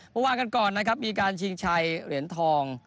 เมื่อวานกันก่อนนะครับมีการชิงชัยเหรียญทอง